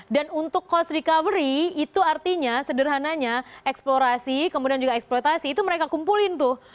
dan untuk cost recovery itu artinya sederhananya eksplorasi kemudian juga eksploitasi itu mereka kumpulin tuh